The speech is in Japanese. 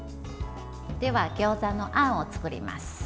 ではギョーザのあんを作ります。